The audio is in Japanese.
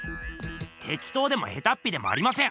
てきとうでもヘタッピでもありません。